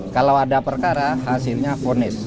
kalau ada perkara hasilnya fonis